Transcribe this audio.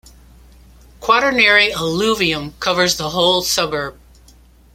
Quaternary Alluvium covers the whole suburb.